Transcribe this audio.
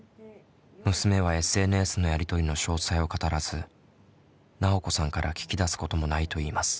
娘はＳＮＳのやり取りの詳細を語らずなおこさんから聞き出すこともないといいます。